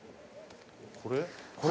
これ？